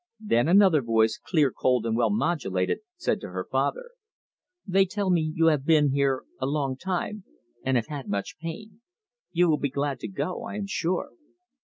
Then another voice, clear and cold, and well modulated, said to her father: "They tell me you have been here a long time, and have had much pain. You will be glad to go, I am sure."